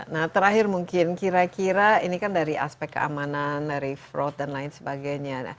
nah terakhir mungkin kira kira ini kan dari aspek keamanan dari fraud dan lain sebagainya